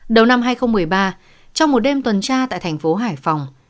đầu năm hai nghìn một mươi ba trong một đêm tuần tra tại thành phố hải phòng